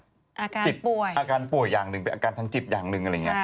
อาการป่วยอาการป่วยอย่างหนึ่งเป็นอาการทางจิตอย่างหนึ่ง